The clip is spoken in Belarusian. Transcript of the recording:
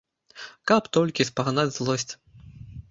Каб толькі спагнаць злосць.